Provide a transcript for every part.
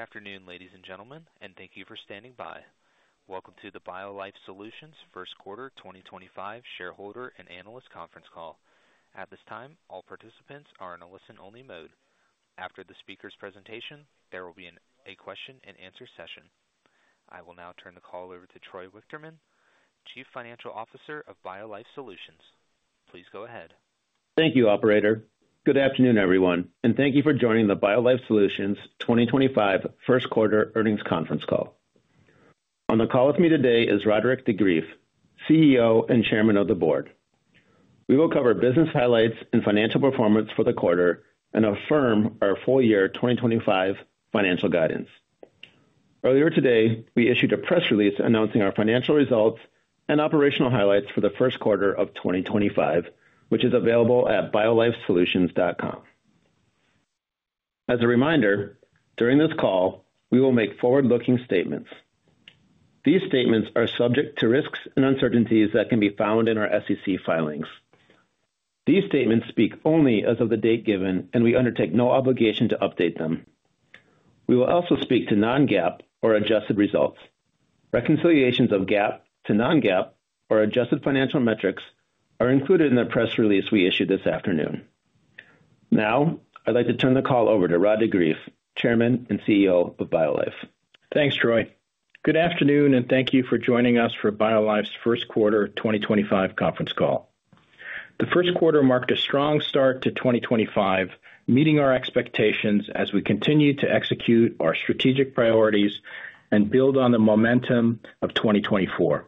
Good afternoon, ladies and gentlemen, and thank you for standing by. Welcome to the BioLife Solutions First Quarter 2025 Shareholder and Analyst Conference Call. At this time, all participants are in a listen-only mode. After the speaker's presentation, there will be a question-and-answer session. I will now turn the call over to Troy Wichterman, Chief Financial Officer of BioLife Solutions. Please go ahead. Thank you, Operator. Good afternoon, everyone, and thank you for joining the BioLife Solutions 2025 First Quarter Earnings Conference Call. On the call with me today is Roderick de Greef, CEO and Chairman of the Board. We will cover business highlights and financial performance for the quarter and affirm our full-year 2025 financial guidance. Earlier today, we issued a press release announcing our financial results and operational highlights for the first quarter of 2025, which is available at biolifesolutions.com. As a reminder, during this call, we will make forward-looking statements. These statements are subject to risks and uncertainties that can be found in our SEC filings. These statements speak only as of the date given, and we undertake no obligation to update them. We will also speak to non-GAAP or adjusted results. Reconciliations of GAAP to non-GAAP or adjusted financial metrics are included in the press release we issued this afternoon. Now, I'd like to turn the call over to Rod de Greef, Chairman and CEO of BioLife. Thanks, Troy. Good afternoon, and thank you for joining us for BioLife's First Quarter 2025 Conference Call. The first quarter marked a strong start to 2025, meeting our expectations as we continue to execute our strategic priorities and build on the momentum of 2024.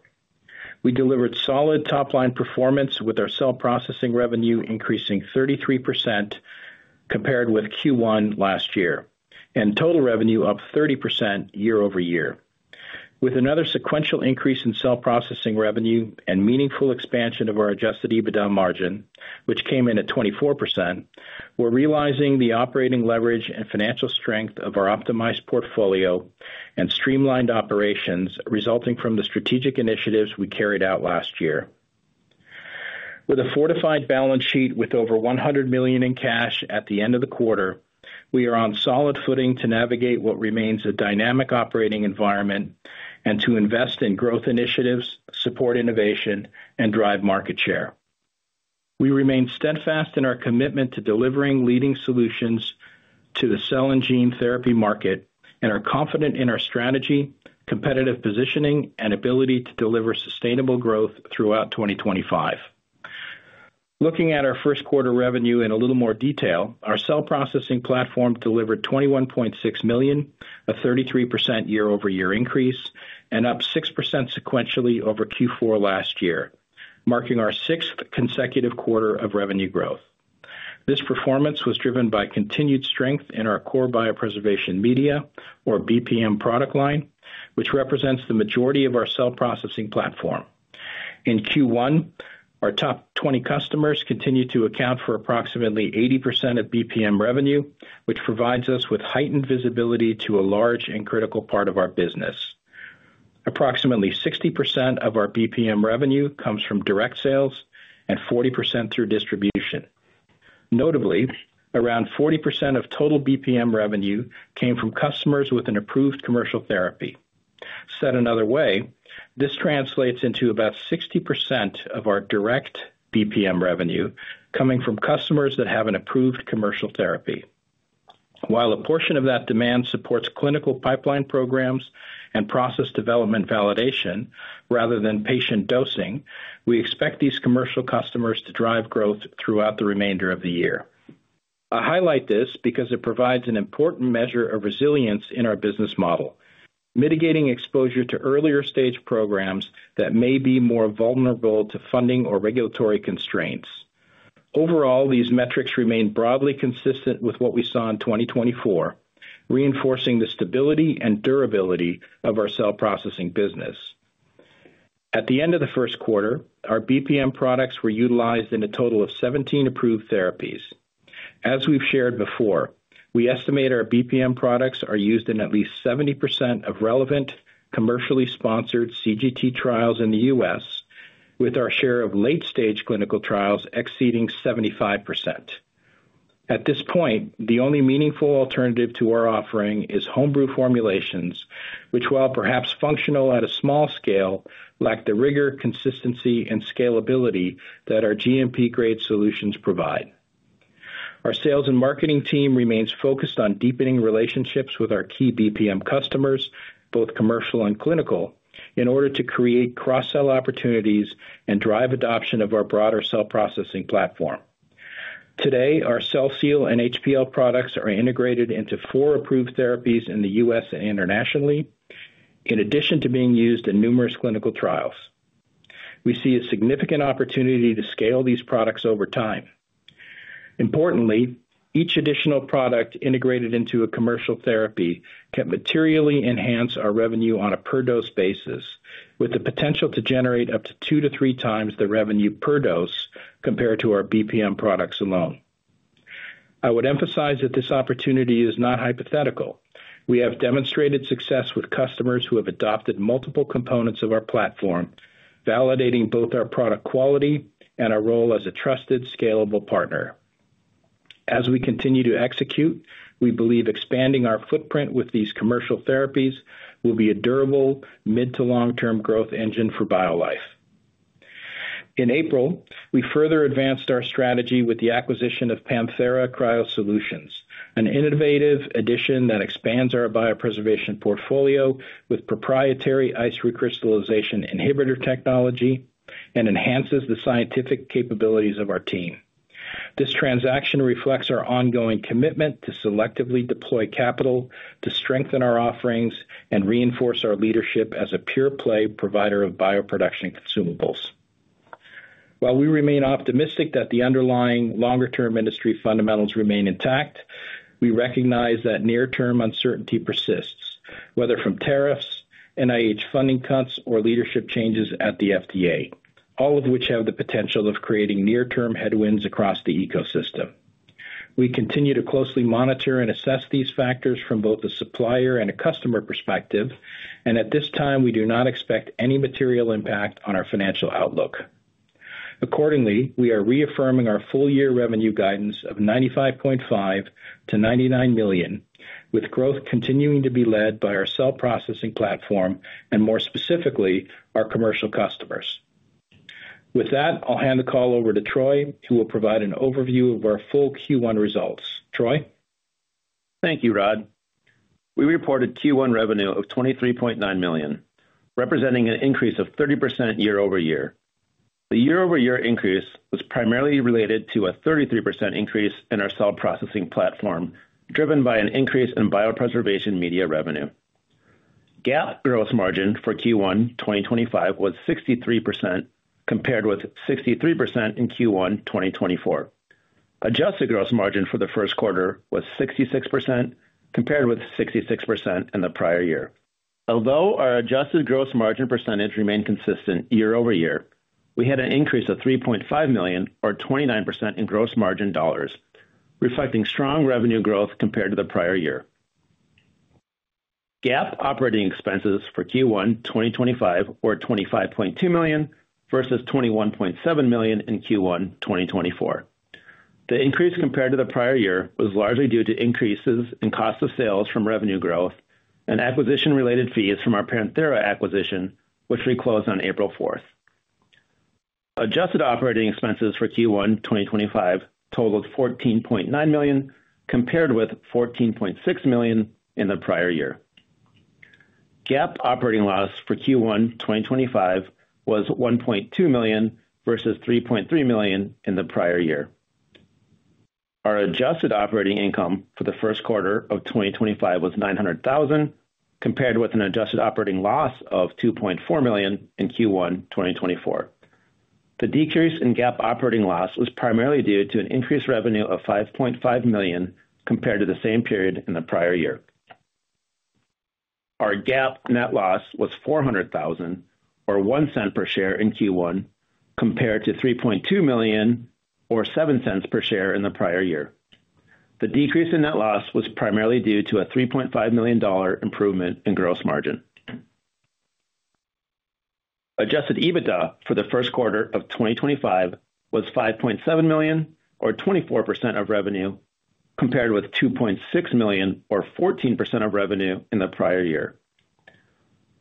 We delivered solid top-line performance, with our cell processing revenue increasing 33% compared with Q1 last year, and total revenue up 30% year-over-year. With another sequential increase in cell processing revenue and meaningful expansion of our adjusted EBITDA margin, which came in at 24%, we're realizing the operating leverage and financial strength of our optimized portfolio and streamlined operations resulting from the strategic initiatives we carried out last year. With a fortified balance sheet with over $100 million in cash at the end of the quarter, we are on solid footing to navigate what remains a dynamic operating environment and to invest in growth initiatives, support innovation, and drive market share. We remain steadfast in our commitment to delivering leading solutions to the cell and gene therapy market and are confident in our strategy, competitive positioning, and ability to deliver sustainable growth throughout 2025. Looking at our first quarter revenue in a little more detail, our cell processing platform delivered $21.6 million, a 33% year-over-year increase, and up 6% sequentially over Q4 last year, marking our sixth consecutive quarter of revenue growth. This performance was driven by continued strength in our core biopreservation media, or BPM product line, which represents the majority of our cell processing platform. In Q1, our top 20 customers continued to account for approximately 80% of BPM revenue, which provides us with heightened visibility to a large and critical part of our business. Approximately 60% of our BPM revenue comes from direct sales and 40% through distribution. Notably, around 40% of total BPM revenue came from customers with an approved commercial therapy. Said another way, this translates into about 60% of our direct BPM revenue coming from customers that have an approved commercial therapy. While a portion of that demand supports clinical pipeline programs and process development validation rather than patient dosing, we expect these commercial customers to drive growth throughout the remainder of the year. I highlight this because it provides an important measure of resilience in our business model, mitigating exposure to earlier-stage programs that may be more vulnerable to funding or regulatory constraints. Overall, these metrics remain broadly consistent with what we saw in 2024, reinforcing the stability and durability of our cell processing business. At the end of the first quarter, our BPM products were utilized in a total of 17 approved therapies. As we've shared before, we estimate our BPM products are used in at least 70% of relevant commercially sponsored CGT trials in the US, with our share of late-stage clinical trials exceeding 75%. At this point, the only meaningful alternative to our offering is home-brew formulations, which, while perhaps functional at a small scale, lack the rigor, consistency, and scalability that our GMP-grade solutions provide. Our sales and marketing team remains focused on deepening relationships with our key BPM customers, both commercial and clinical, in order to create cross-sell opportunities and drive adoption of our broader cell processing platform. Today, our CellSeal and HPL products are integrated into four approved therapies in the U.S. and internationally, in addition to being used in numerous clinical trials. We see a significant opportunity to scale these products over time. Importantly, each additional product integrated into a commercial therapy can materially enhance our revenue on a per-dose basis, with the potential to generate up to two to three times the revenue per dose compared to our BPM products alone. I would emphasize that this opportunity is not hypothetical. We have demonstrated success with customers who have adopted multiple components of our platform, validating both our product quality and our role as a trusted, scalable partner. As we continue to execute, we believe expanding our footprint with these commercial therapies will be a durable mid-to-long-term growth engine for BioLife. In April, we further advanced our strategy with the acquisition of Panthera Cryo Solutions, an innovative addition that expands our biopreservation portfolio with proprietary ice recrystallization inhibitor technology and enhances the scientific capabilities of our team. This transaction reflects our ongoing commitment to selectively deploy capital to strengthen our offerings and reinforce our leadership as a pure-play provider of bioproduction consumables. While we remain optimistic that the underlying longer-term industry fundamentals remain intact, we recognize that near-term uncertainty persists, whether from tariffs, NIH funding cuts, or leadership changes at the FDA, all of which have the potential of creating near-term headwinds across the ecosystem. We continue to closely monitor and assess these factors from both a supplier and a customer perspective, and at this time, we do not expect any material impact on our financial outlook. Accordingly, we are reaffirming our full-year revenue guidance of $95.5-$99 million, with growth continuing to be led by our cell processing platform and, more specifically, our commercial customers. With that, I'll hand the call over to Troy, who will provide an overview of our full Q1 results. Troy? Thank you, Rod. We reported Q1 revenue of $23.9 million, representing an increase of 30% year-over-year. The year-over-year increase was primarily related to a 33% increase in our cell processing platform, driven by an increase in biopreservation media revenue. GAAP gross margin for Q1 2025 was 63%, compared with 63% in Q1 2024. Adjusted gross margin for the first quarter was 66%, compared with 66% in the prior year. Although our adjusted gross margin percentage remained consistent year-over-year, we had an increase of $3.5 million, or 29% in gross margin dollars, reflecting strong revenue growth compared to the prior year. GAAP operating expenses for Q1 2025 were $25.2 million versus $21.7 million in Q1 2024. The increase compared to the prior year was largely due to increases in cost of sales from revenue growth and acquisition-related fees from our Panthera acquisition, which we closed on April 4. Adjusted operating expenses for Q1 2025 totaled $14.9 million, compared with $14.6 million in the prior year. GAAP operating loss for Q1 2025 was $1.2 million versus $3.3 million in the prior year. Our adjusted operating income for the first quarter of 2025 was $900,000, compared with an adjusted operating loss of $2.4 million in Q1 2024. The decrease in GAAP operating loss was primarily due to an increased revenue of $5.5 million compared to the same period in the prior year. Our GAAP net loss was $400,000, or $0.01 per share in Q1, compared to $3.2 million, or $0.07 per share in the prior year. The decrease in net loss was primarily due to a $3.5 million improvement in gross margin. Adjusted EBITDA for the first quarter of 2025 was $5.7 million, or 24% of revenue, compared with $2.6 million, or 14% of revenue in the prior year.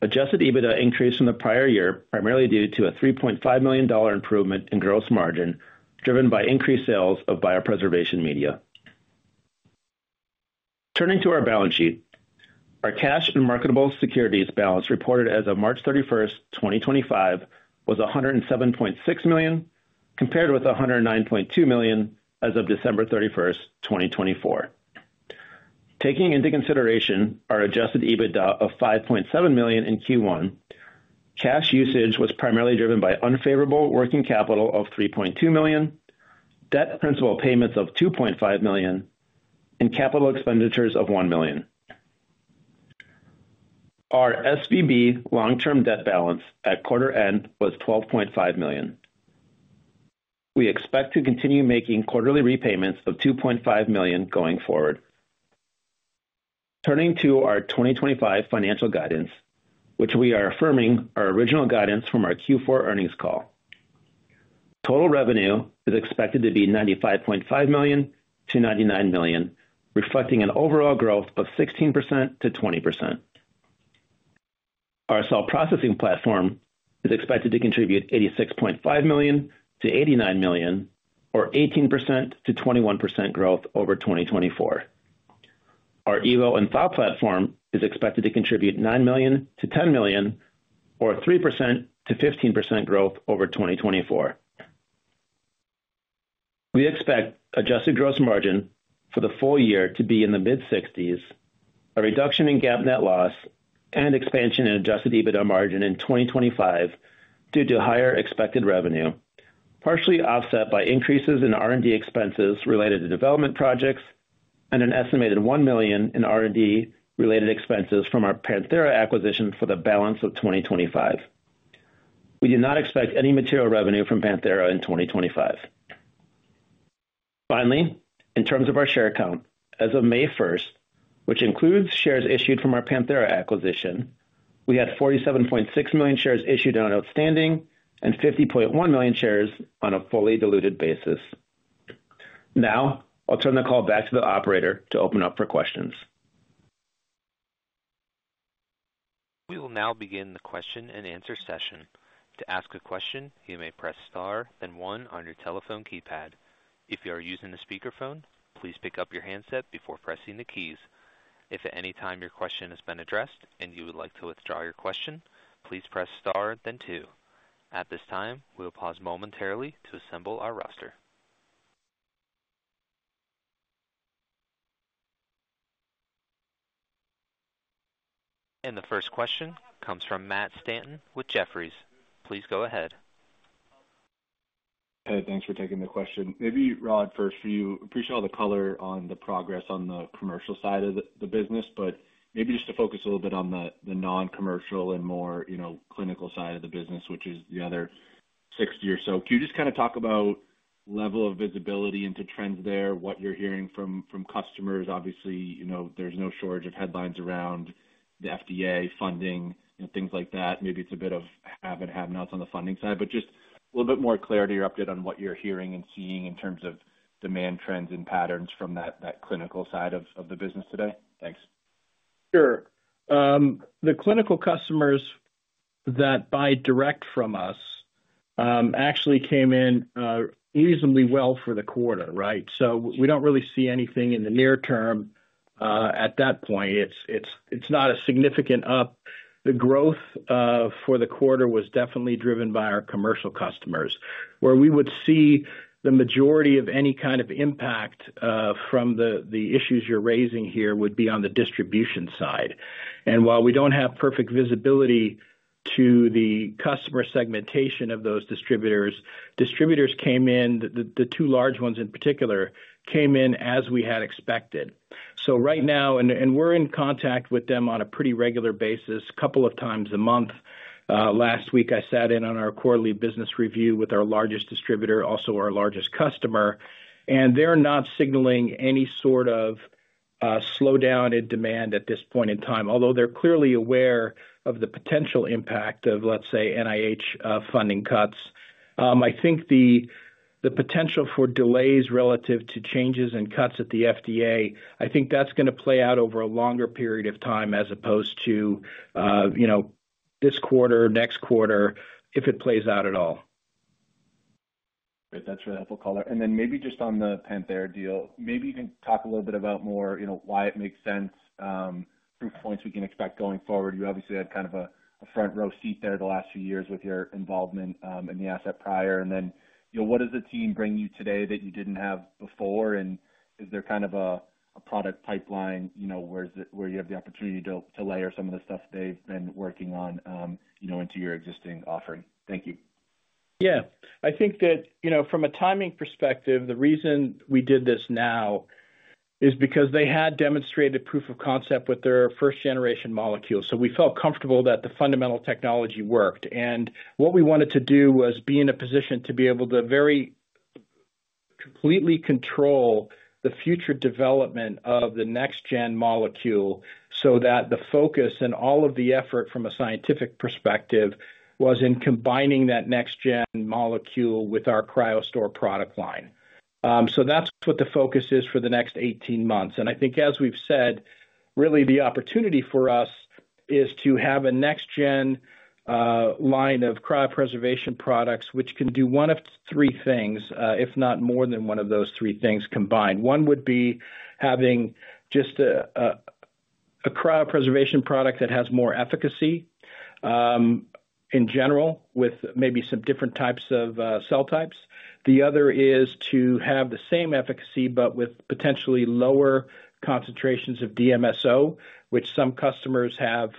Adjusted EBITDA increased from the prior year primarily due to a $3.5 million improvement in gross margin, driven by increased sales of biopreservation media. Turning to our balance sheet, our cash and marketable securities balance reported as of March 31, 2025, was $107.6 million, compared with $109.2 million as of December 31, 2024. Taking into consideration our adjusted EBITDA of $5.7 million in Q1, cash usage was primarily driven by unfavorable working capital of $3.2 million, debt principal payments of $2.5 million, and capital expenditures of $1 million. Our SVB long-term debt balance at quarter end was $12.5 million. We expect to continue making quarterly repayments of $2.5 million going forward. Turning to our 2025 financial guidance, which we are affirming our original guidance from our Q4 earnings call, total revenue is expected to be $95.5 million-$99 million, reflecting an overall growth of 16%-20%. Our cell processing platform is expected to contribute $86.5 million-$89 million, or 18%-21% growth over 2024. Our Evo and Thought platform is expected to contribute $9 million-$10 million, or 3%-15% growth over 2024. We expect adjusted gross margin for the full year to be in the mid-60s, a reduction in GAAP net loss, and expansion in adjusted EBITDA margin in 2025 due to higher expected revenue, partially offset by increases in R&D expenses related to development projects and an estimated $1 million in R&D-related expenses from our Panthera acquisition for the balance of 2025. We do not expect any material revenue from Panthera in 2025. Finally, in terms of our share count, as of May 1st, which includes shares issued from our Panthera acquisition, we had 47.6 million shares issued on outstanding and 50.1 million shares on a fully diluted basis. Now, I'll turn the call back to the operator to open up for questions. We will now begin the question-and-answer session. To ask a question, you may press star, then one on your telephone keypad. If you are using a speakerphone, please pick up your handset before pressing the keys. If at any time your question has been addressed and you would like to withdraw your question, please press star, then two. At this time, we will pause momentarily to assemble our roster. The first question comes from Matt Stanton with Jefferies. Please go ahead. Hey, thanks for taking the question. Maybe Rod, first for you. Appreciate all the color on the progress on the commercial side of the business, but maybe just to focus a little bit on the non-commercial and more clinical side of the business, which is the other 60 or so. Can you just kind of talk about level of visibility into trends there, what you're hearing from customers? Obviously, there's no shortage of headlines around the FDA funding and things like that. Maybe it's a bit of have-and-have-nots on the funding side, but just a little bit more clarity or update on what you're hearing and seeing in terms of demand trends and patterns from that clinical side of the business today. Thanks. Sure. The clinical customers that buy direct from us actually came in reasonably well for the quarter, right? We do not really see anything in the near term at that point. It is not a significant up. The growth for the quarter was definitely driven by our commercial customers, where we would see the majority of any kind of impact from the issues you are raising here would be on the distribution side. While we do not have perfect visibility to the customer segmentation of those distributors, distributors came in, the two large ones in particular, came in as we had expected. Right now, and we are in contact with them on a pretty regular basis, a couple of times a month. Last week, I sat in on our quarterly business review with our largest distributor, also our largest customer, and they're not signaling any sort of slowdown in demand at this point in time, although they're clearly aware of the potential impact of, let's say, NIH funding cuts. I think the potential for delays relative to changes and cuts at the FDA, I think that's going to play out over a longer period of time as opposed to this quarter, next quarter, if it plays out at all. Great. That's really helpful, Caller. Maybe just on the Panthera deal, maybe you can talk a little bit about more why it makes sense, proof points we can expect going forward. You obviously had kind of a front-row seat there the last few years with your involvement in the asset prior. What does the team bring you today that you didn't have before? Is there kind of a product pipeline where you have the opportunity to layer some of the stuff they've been working on into your existing offering? Thank you. Yeah. I think that from a timing perspective, the reason we did this now is because they had demonstrated proof of concept with their first-generation molecules. We felt comfortable that the fundamental technology worked. What we wanted to do was be in a position to be able to very completely control the future development of the next-gen molecule so that the focus and all of the effort from a scientific perspective was in combining that next-gen molecule with our CryoStore product line. That is what the focus is for the next 18 months. I think, as we have said, really the opportunity for us is to have a next-gen line of cryopreservation products which can do one of three things, if not more than one of those three things combined. One would be having just a cryopreservation product that has more efficacy in general with maybe some different types of cell types. The other is to have the same efficacy but with potentially lower concentrations of DMSO, which some customers have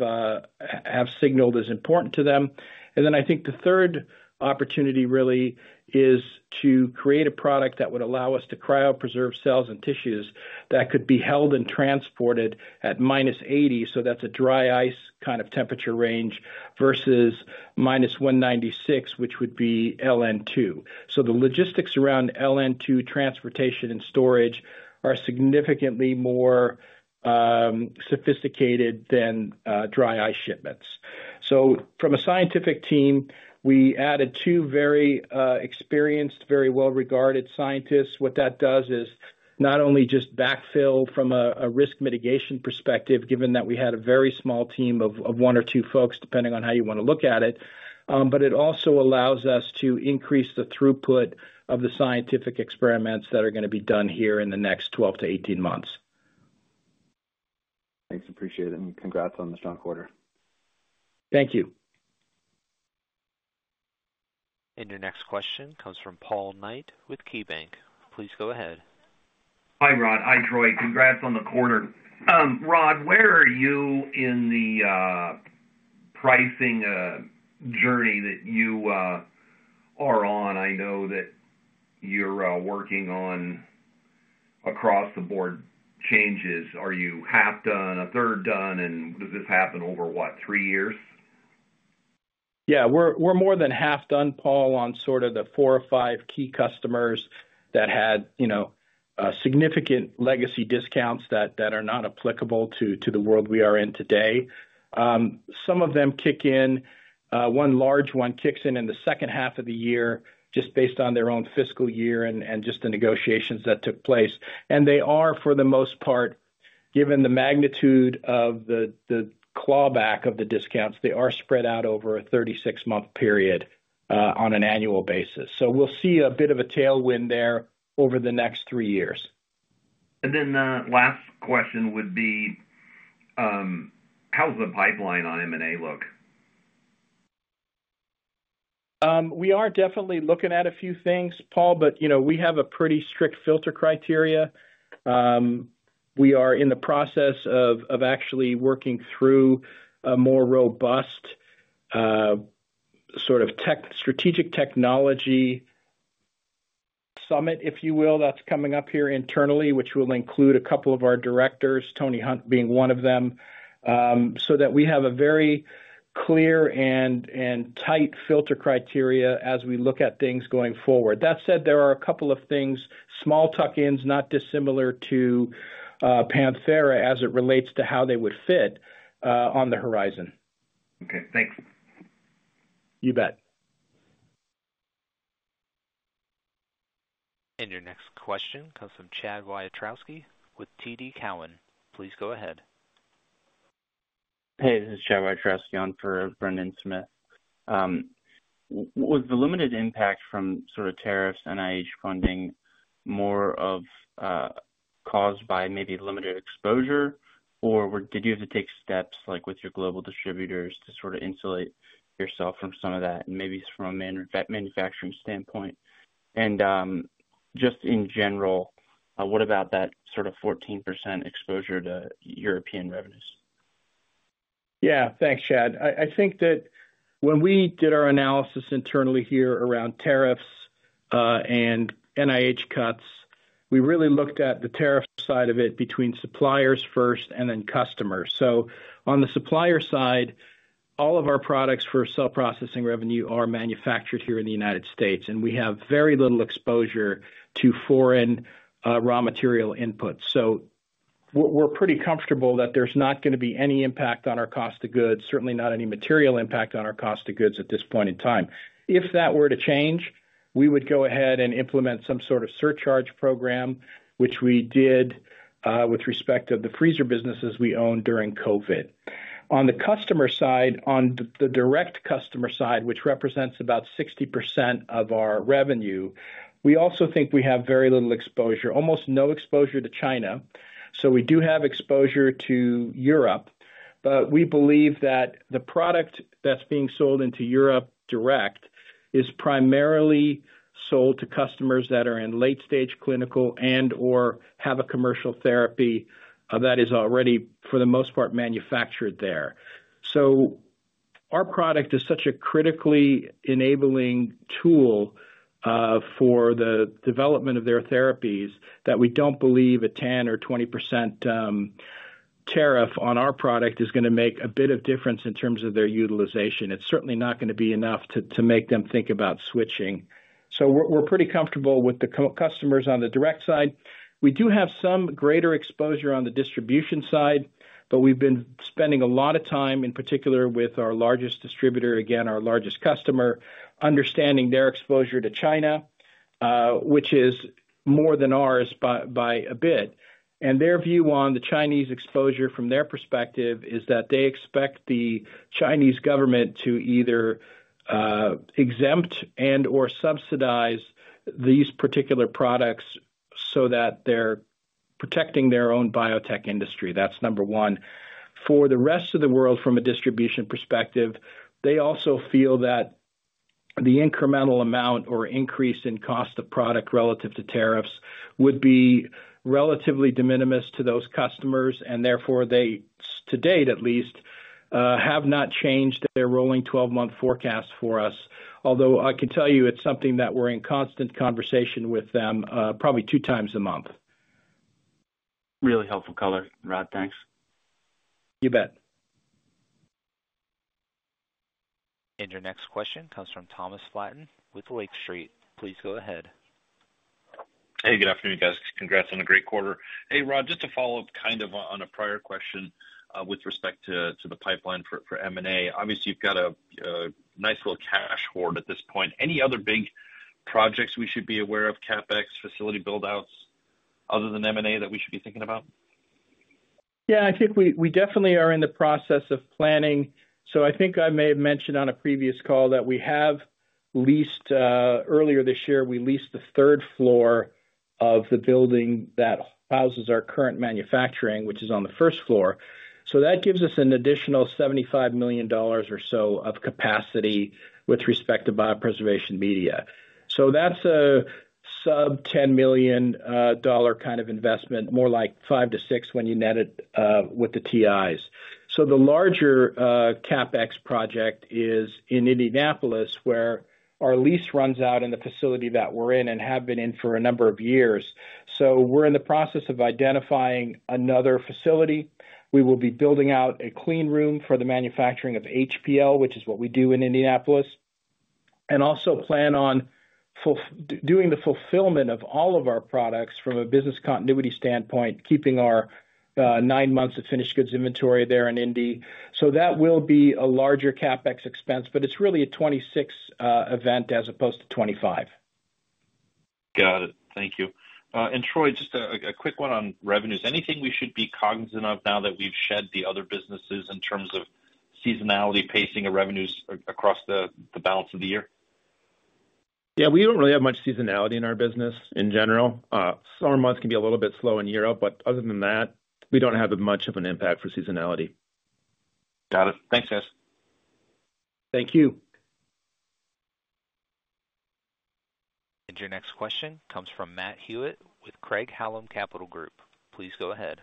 signaled is important to them. I think the third opportunity really is to create a product that would allow us to cryopreserve cells and tissues that could be held and transported at minus 80 degrees Celsius. That is a dry ice kind of temperature range versus minus 196 degrees Celsius, which would be LN2. The logistics around LN2 transportation and storage are significantly more sophisticated than dry ice shipments. From a scientific team, we added two very experienced, very well-regarded scientists. What that does is not only just backfill from a risk mitigation perspective, given that we had a very small team of one or two folks, depending on how you want to look at it, but it also allows us to increase the throughput of the scientific experiments that are going to be done here in the next 12 to 18 months. Thanks. Appreciate it. Congrats on the strong quarter. Thank you. Your next question comes from Paul Knight with KeyBanc. Please go ahead. Hi, Rod. Hi, Troy. Congrats on the quarter. Rod, where are you in the pricing journey that you are on? I know that you're working on across-the-board changes. Are you half done, a third done, and does this happen over, what, three years? Yeah. We're more than half done, Paul, on sort of the four or five key customers that had significant legacy discounts that are not applicable to the world we are in today. Some of them kick in. One large one kicks in in the second half of the year just based on their own fiscal year and just the negotiations that took place. They are, for the most part, given the magnitude of the clawback of the discounts, spread out over a 36-month period on an annual basis. We'll see a bit of a tailwind there over the next three years. The last question would be, how does the pipeline on M&A look? We are definitely looking at a few things, Paul, but we have a pretty strict filter criteria. We are in the process of actually working through a more robust sort of strategic technology summit, if you will, that is coming up here internally, which will include a couple of our directors, Tony Hunt being one of them, so that we have a very clear and tight filter criteria as we look at things going forward. That said, there are a couple of things, small tuck-ins not dissimilar to Panthera as it relates to how they would fit on the horizon. Okay. Thanks. You bet. Your next question comes from Chad Wiatrowski with TD Cowen. Please go ahead. Hey, this is Chad Wiatrowski on for Brendan Smith. Was the limited impact from sort of tariffs, NIH funding more of caused by maybe limited exposure, or did you have to take steps with your global distributors to sort of insulate yourself from some of that, maybe from a manufacturing standpoint? In general, what about that sort of 14% exposure to European revenues? Yeah. Thanks, Chad. I think that when we did our analysis internally here around tariffs and NIH cuts, we really looked at the tariff side of it between suppliers first and then customers. On the supplier side, all of our products for cell processing revenue are manufactured here in the United States, and we have very little exposure to foreign raw material inputs. We're pretty comfortable that there's not going to be any impact on our cost of goods, certainly not any material impact on our cost of goods at this point in time. If that were to change, we would go ahead and implement some sort of surcharge program, which we did with respect to the freezer businesses we owned during COVID. On the customer side, on the direct customer side, which represents about 60% of our revenue, we also think we have very little exposure, almost no exposure to China. We do have exposure to Europe, but we believe that the product that's being sold into Europe direct is primarily sold to customers that are in late-stage clinical and/or have a commercial therapy that is already, for the most part, manufactured there. Our product is such a critically enabling tool for the development of their therapies that we don't believe a 10% or 20% tariff on our product is going to make a bit of difference in terms of their utilization. It's certainly not going to be enough to make them think about switching. We're pretty comfortable with the customers on the direct side. We do have some greater exposure on the distribution side, but we've been spending a lot of time, in particular with our largest distributor, again, our largest customer, understanding their exposure to China, which is more than ours by a bit. Their view on the Chinese exposure, from their perspective, is that they expect the Chinese government to either exempt and/or subsidize these particular products so that they're protecting their own biotech industry. That's number one. For the rest of the world, from a distribution perspective, they also feel that the incremental amount or increase in cost of product relative to tariffs would be relatively de minimis to those customers. Therefore, they, to date at least, have not changed their rolling 12-month forecast for us, although I can tell you it's something that we're in constant conversation with them probably two times a month. Really helpful, Rod. thanks. You bet. Your next question comes from Thomas Flaten with Lake Street. Please go ahead. Hey, good afternoon, guys. Congrats on a great quarter. Hey, Rod, just to follow up kind of on a prior question with respect to the pipeline for M&A. Obviously, you've got a nice little cash hoard at this point. Any other big projects we should be aware of, CapEx, facility buildouts, other than M&A that we should be thinking about? Yeah. I think we definitely are in the process of planning. I think I may have mentioned on a previous call that we have leased earlier this year, we leased the third floor of the building that houses our current manufacturing, which is on the first floor. That gives us an additional $75 million or so of capacity with respect to biopreservation media. That is a sub-$10 million kind of investment, more like $5 million to $6 million when you net it with the TIs. The larger CapEx project is in Indianapolis, where our lease runs out in the facility that we are in and have been in for a number of years. We are in the process of identifying another facility. We will be building out a clean room for the manufacturing of HPL, which is what we do in Indianapolis, and also plan on doing the fulfillment of all of our products from a business continuity standpoint, keeping our nine months of finished goods inventory there in Indy. That will be a larger CapEx expense, but it is really a 2026 event as opposed to 2025. Got it. Thank you. Troy, just a quick one on revenues. Anything we should be cognizant of now that we've shed the other businesses in terms of seasonality pacing of revenues across the balance of the year? Yeah. We don't really have much seasonality in our business in general. Summer months can be a little bit slow in Europe, but other than that, we don't have much of an impact for seasonality. Got it. Thanks, guys. Thank you. Your next question comes from Matt Hewitt with Craig-Hallum Capital Group. Please go ahead.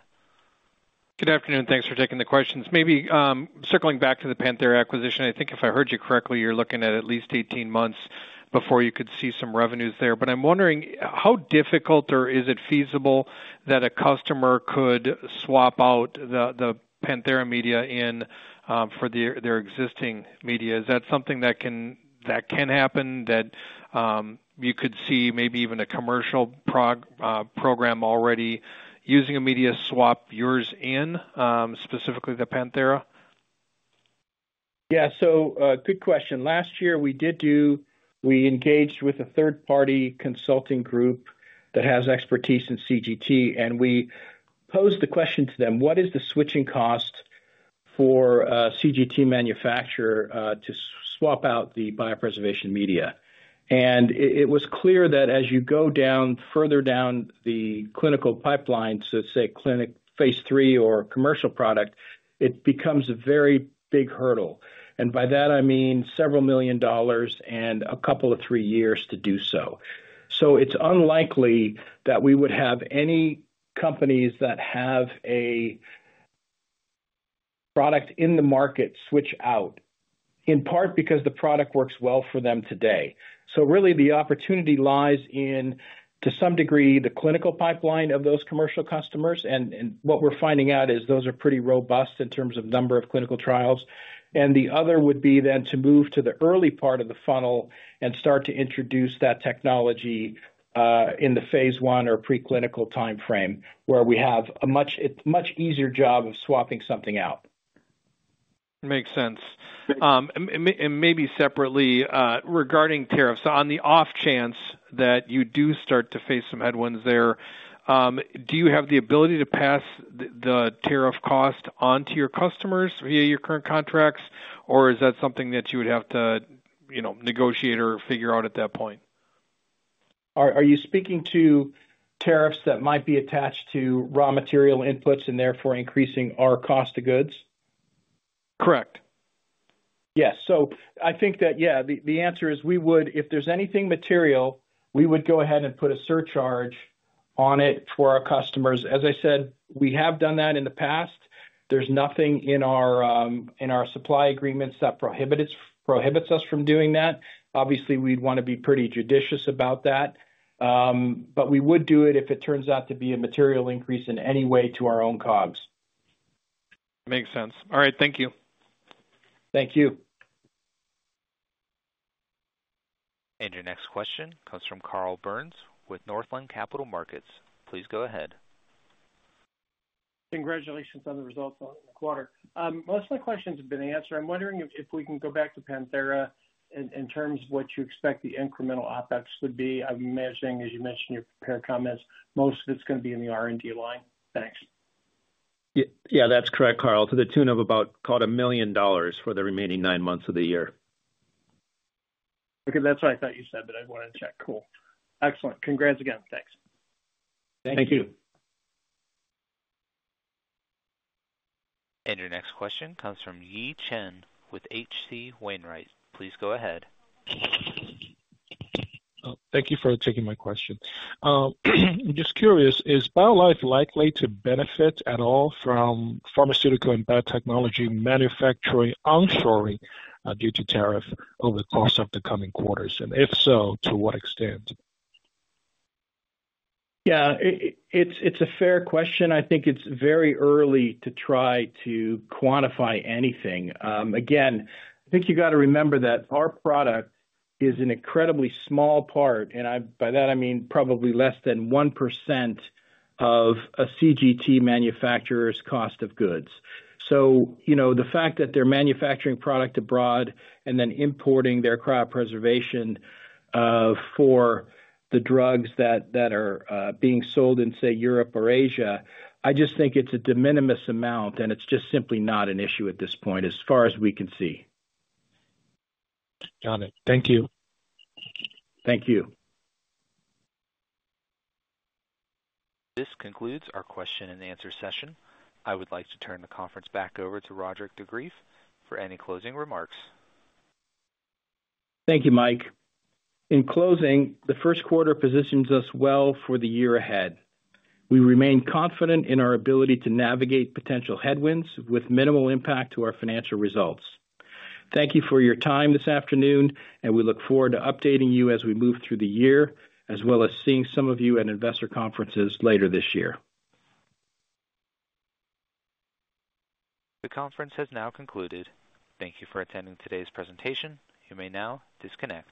Good afternoon. Thanks for taking the questions. Maybe circling back to the Panthera acquisition, I think if I heard you correctly, you're looking at at least 18 months before you could see some revenues there. I'm wondering, how difficult or is it feasible that a customer could swap out the Panthera media in for their existing media? Is that something that can happen, that you could see maybe even a commercial program already using a media swap yours in, specifically the Panthera? Yeah. So good question. Last year, we engaged with a third-party consulting group that has expertise in CGT, and we posed the question to them, "What is the switching cost for a CGT manufacturer to swap out the biopreservation media?" And it was clear that as you go further down the clinical pipeline, so say phase three or commercial product, it becomes a very big hurdle. And by that, I mean several million dollars and a couple of three years to do so. So it's unlikely that we would have any companies that have a product in the market switch out, in part because the product works well for them today. So really, the opportunity lies in, to some degree, the clinical pipeline of those commercial customers. And what we're finding out is those are pretty robust in terms of number of clinical trials. The other would be then to move to the early part of the funnel and start to introduce that technology in the phase one or preclinical timeframe, where we have a much easier job of swapping something out. Makes sense. Maybe separately, regarding tariffs, on the off chance that you do start to face some headwinds there, do you have the ability to pass the tariff cost onto your customers via your current contracts, or is that something that you would have to negotiate or figure out at that point? Are you speaking to tariffs that might be attached to raw material inputs and therefore increasing our cost of goods? Correct. Yes. I think that, yeah, the answer is we would, if there's anything material, we would go ahead and put a surcharge on it for our customers. As I said, we have done that in the past. There's nothing in our supply agreements that prohibits us from doing that. Obviously, we'd want to be pretty judicious about that, but we would do it if it turns out to be a material increase in any way to our own COGS. Makes sense. All right. Thank you. Thank you. Your next question comes from Carl Byrnes with Northland Capital Markets. Please go ahead. Congratulations on the results on the quarter. Most of my questions have been answered. I'm wondering if we can go back to Panthera in terms of what you expect the incremental OpEx would be. I'm imagining, as you mentioned in your prepared comments, most of it's going to be in the R&D line. Thanks. Yeah, that's correct, Carl, to the tune of about, call it, $1 million for the remaining nine months of the year. Okay. That's what I thought you said, but I wanted to check. Cool. Excellent. Congrats again. Thanks. Thank you. Your next question comes from Yi Chen with H.C. Wainwright. Please go ahead. Thank you for taking my question. I'm just curious, is BioLife likely to benefit at all from pharmaceutical and biotechnology manufacturing onshoring due to tariff over the course of the coming quarters? If so, to what extent? Yeah. It's a fair question. I think it's very early to try to quantify anything. Again, I think you got to remember that our product is an incredibly small part, and by that, I mean probably less than 1% of a CGT manufacturer's cost of goods. So the fact that they're manufacturing product abroad and then importing their cryopreservation for the drugs that are being sold in, say, Europe or Asia, I just think it's a de minimis amount, and it's just simply not an issue at this point, as far as we can see. Got it. Thank you. Thank you. This concludes our question-and-answer session. I would like to turn the conference back over to Roderick de Greef for any closing remarks. Thank you, Mike. In closing, the first quarter positions us well for the year ahead. We remain confident in our ability to navigate potential headwinds with minimal impact to our financial results. Thank you for your time this afternoon, and we look forward to updating you as we move through the year, as well as seeing some of you at investor conferences later this year. The conference has now concluded. Thank you for attending today's presentation. You may now disconnect.